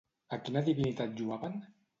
A quina divinitat lloaven?